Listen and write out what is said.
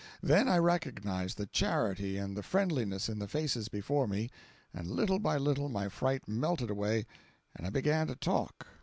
Then I recognized the charity and the friendliness in the faces before me, and little by little my fright melted away, and I began to talk.